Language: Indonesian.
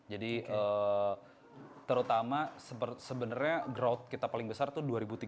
jadi terutama sebenarnya growth kita paling besar itu dua ribu tiga belas dua ribu empat belas